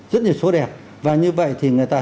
rất nhiều số đẹp và như vậy thì người ta